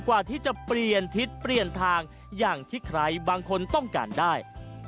กว่าที่จะเปลี่ยนทิศเปลี่ยนทางอย่างที่ใครบางคนต้องการได้